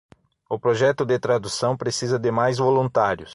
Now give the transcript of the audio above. O projeto de tradução precisa de mais voluntários.